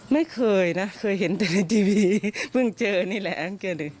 ไม่เคยนะเคยเห็นแต่ในทีวีเพิ่งเจอนี่แหละ